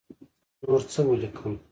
نور څه ولیکم.